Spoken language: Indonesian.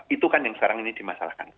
itu kan yang sekarang ini dimasalahkan